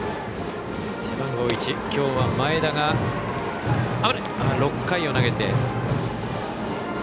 背番号１、きょうは前田が６回を投げて。